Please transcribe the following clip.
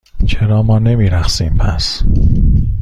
چرا ما نمی رقصیم، پس؟